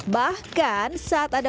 bahkan saat ada